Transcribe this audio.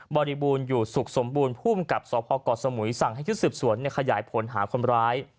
บริบูรณ์อยู่สุขสมบูรณ์ภูมิกับสพเกาะสมุยสั่งให้ชุดสืบสวนขยายผลหาคนร้าย